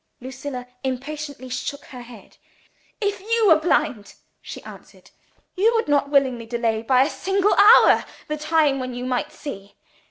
Lucilla impatiently shook her head. "If you were blind," she answered, "you would not willingly delay by a single hour the time when you might see.